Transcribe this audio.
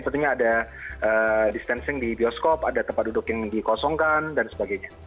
tentunya ada distancing di bioskop ada tempat duduk yang dikosongkan dan sebagainya